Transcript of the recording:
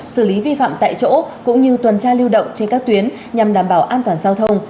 xử lý vi phạm tại chỗ cũng như tuần tra lưu động trên các tuyến nhằm đảm bảo an toàn giao thông